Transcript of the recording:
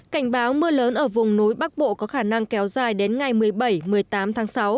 cảnh báo mưa lớn ở vùng núi bắc bộ có khả năng kéo dài đến ngày một mươi bảy một mươi tám tháng sáu